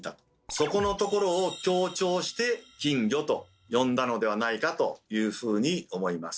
そこのところを強調して金魚と呼んだのではないかというふうに思います。